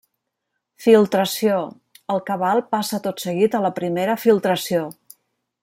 Filtració: el cabal passa tot seguit a la primera filtració.